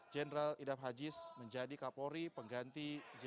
jenderal idam aziz menjadi kapolri pengganti jenderal